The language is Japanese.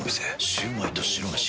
シュウマイと白めし。